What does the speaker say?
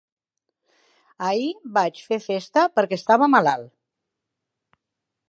Ahir vaig fer festa perquè estava malalt.